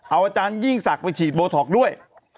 เอาอาจารย์ยิ่งสักไปชีดโบท็อกซ์ด้วย